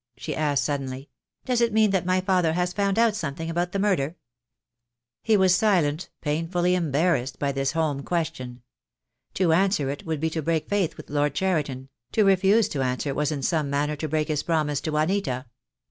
she asked, suddenly. "Does it mean that my father has found out something about the murder?" He was silent, painfully embarrassed by this home question. To answer it would be to break faith with Lord Cheriton; to refuse to answer was in some manner to break his promise to Juanita.